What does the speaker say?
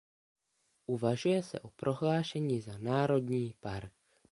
Uvažuje se o prohlášení za národní park.